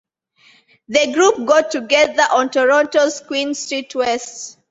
The group got together on Toronto's Queen Street West.